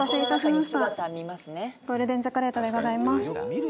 ゴールデンチョコレートでございます。